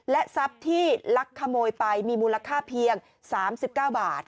ทรัพย์ที่ลักขโมยไปมีมูลค่าเพียง๓๙บาท